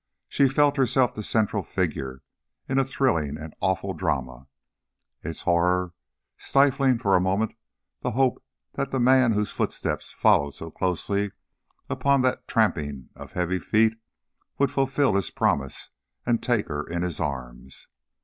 She felt herself the central figure in a thrilling and awful drama, its horror stifling for a moment the hope that the man whose footsteps followed closely upon that tramping of heavy feet would fulfil his promise and take her in his arms.